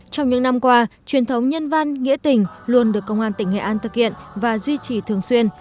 trong những năm qua truyền thống nhân văn nghĩa tình luôn được công an tỉnh nghệ an thực hiện và duy trì thường xuyên